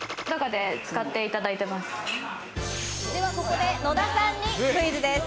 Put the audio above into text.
ではここで野田さんにクイズです。